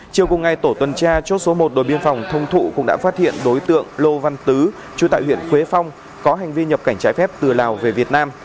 chiều cùng ngày tổ tuần tra chốt số một đồn biên phòng thông thụ cũng đã phát hiện đối tượng lô văn tứ chú tại huyện quế phong có hành vi nhập cảnh trái phép từ lào về việt nam